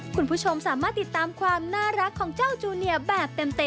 คุณผู้ชมสามารถติดตามความน่ารักของเจ้าจูเนียแบบเต็ม